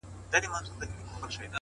رانه هېريږي نه خيالونه هېرولاى نه ســم;